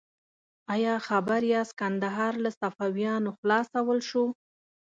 ایا خبر یاست کندهار له صفویانو خلاصول شو؟